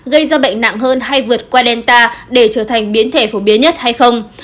gây ra bệnh nặng hơn hay vượt qua delta để trở thành biến thể phổ biến nhất hay không